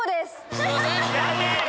残念！